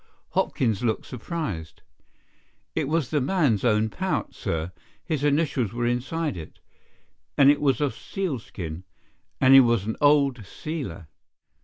Hopkins looked surprised. "It was the man's own pouch, sir. His initials were inside it. And it was of sealskin,—and he was an old sealer."